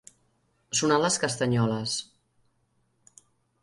Sonar les castanyoles.